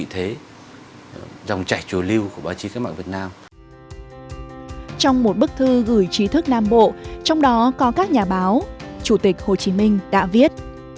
trong một bức thư gửi trí thức nam bộ trong đó có các nhà báo chủ tịch hồ chí minh đã viết